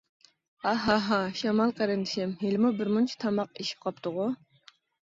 ھا. ھا. ھا. شامال قېرىندىشىم، ھېلىمۇ بىر مۇنچە تاماق ئېشىپ قاپتىغۇ.